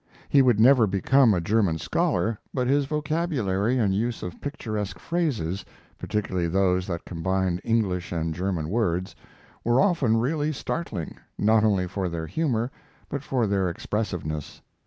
He would never become a German scholar, but his vocabulary and use of picturesque phrases, particularly those that combined English and German words, were often really startling, not only for their humor, but for their expressiveness.